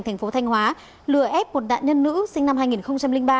thành phố thanh hóa lừa ép một nạn nhân nữ sinh năm hai nghìn ba